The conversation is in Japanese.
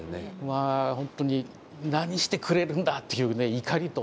まあ本当に何してくれるんだっていうね怒りとね